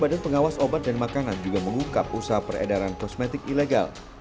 badan pengawas obat dan makanan juga mengungkap usaha peredaran kosmetik ilegal